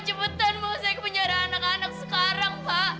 cepetan bawa saya ke penjara anak anak sekarang pak